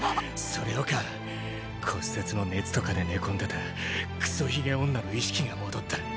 それよか骨折の熱とかで寝込んでたクソ鬚女の意識が戻った。